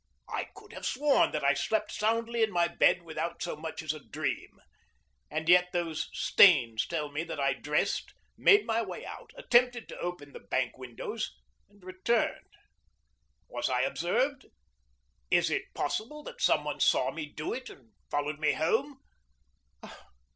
I could have sworn that I slept soundly in my bed without so much as a dream. And yet those stains tell me that I dressed, made my way out, attempted to open the bank windows, and returned. Was I observed? Is it possible that some one saw me do it and followed me home?